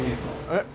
えっ？